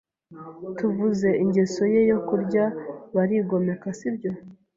Tuvuze ingeso ye yo kurya, barigomeka sibyo?